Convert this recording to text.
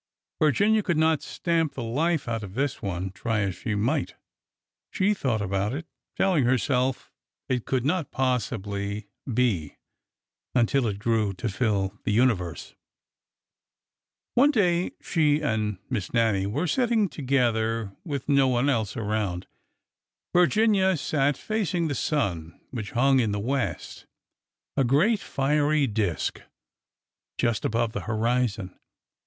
Virginia could not stamp the life out of this one, try as she might. She thought about it — telling herself it could not possibly be — until it grew to fill the universe. One day she and Miss Nannie were sitting together, with no one else around. Virginia sat facing the sun, which hung in the west, a great fiery disk, just above the horizon.